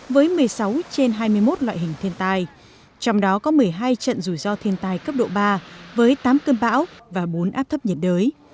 với một mươi sáu trên hai mươi một loại hình thiên tai trong đó có một mươi hai trận rủi ro thiên tai cấp độ ba với tám cơn bão và bốn áp thấp nhiệt đới